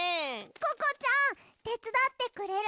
ココちゃんてつだってくれる？